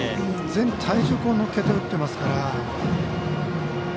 全体重を乗せて打っていますから。